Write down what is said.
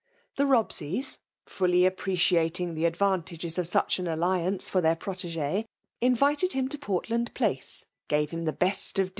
The Bobseys, fiilly appreciating the advantages of such an i^ance for fheir protegee, invited him to Portland Place, gave him the best of T£mAX£ l>OMIlVAT[ON.